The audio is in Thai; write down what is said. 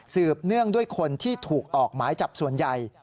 เนื่องด้วยคนที่ถูกออกหมายจับส่วนใหญ่